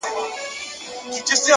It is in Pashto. اراده داخلي کمزوري ماتوي!.